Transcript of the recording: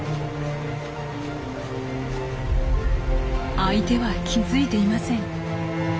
相手は気付いていません。